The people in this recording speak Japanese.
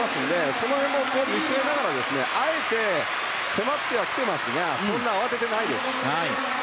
その辺も見据えながらあえて、迫ってきてますがそんな慌ててないです。